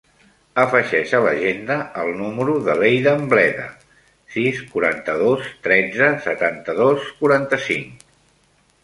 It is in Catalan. Afegeix a l'agenda el número de l'Eidan Bleda: sis, quaranta-dos, tretze, setanta-dos, quaranta-cinc.